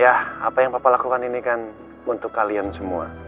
ya apa yang bapak lakukan ini kan untuk kalian semua